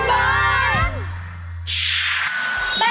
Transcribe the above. เหลวไม่ดีความรอดเกาไทย